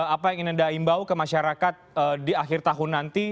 apa yang ingin anda imbau ke masyarakat di akhir tahun nanti